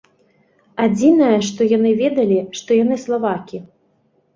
Адзінае, што яны ведалі, што яны славакі.